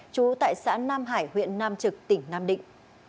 trú tại xã nam hải huyện nam trực tỉnh nam định